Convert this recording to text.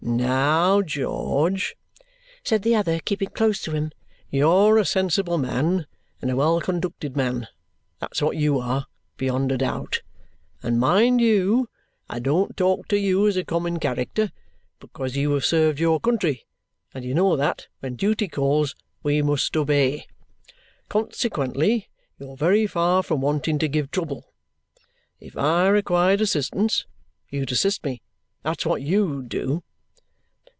"Now, George," said the other, keeping close to him, "you're a sensible man and a well conducted man; that's what YOU are, beyond a doubt. And mind you, I don't talk to you as a common character, because you have served your country and you know that when duty calls we must obey. Consequently you're very far from wanting to give trouble. If I required assistance, you'd assist me; that's what YOU'D do.